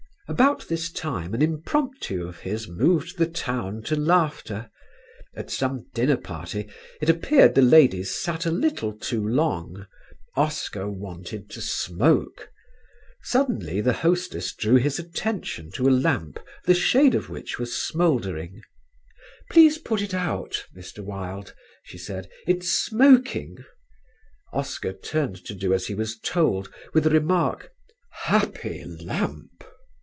About this time an impromptu of his moved the town to laughter. At some dinner party it appeared the ladies sat a little too long; Oscar wanted to smoke. Suddenly the hostess drew his attention to a lamp the shade of which was smouldering. "Please put it out, Mr. Wilde," she said, "it's smoking." Oscar turned to do as he was told with the remark: "Happy lamp!"